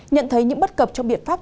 nhận thấy những bất cập trong biện pháp